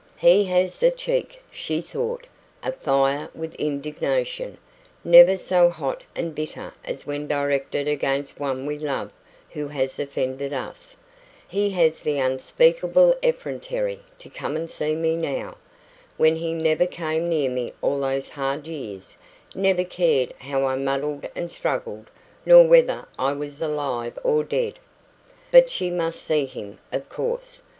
"He has the cheek," she thought, afire with indignation never so hot and bitter as when directed against one we love who has offended us "he has the unspeakable effrontery to come and see me NOW, when he never came near me all those hard years never cared how I muddled and struggled, nor whether I was alive or dead!" But she must see him, of course.